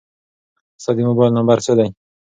ستا د موبایل نمبر څو دی؟